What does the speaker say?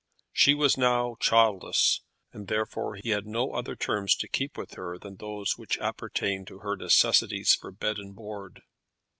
She was now childless, and therefore he had no other terms to keep with her than those which appertained to her necessities for bed and board.